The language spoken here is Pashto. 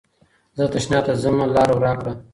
زه تشناب ته ځم لاره راکړه.